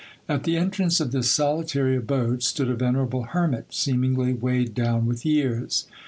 At the entrance of this solitary abode stood a venerable hermit, seemingly weighed down with years.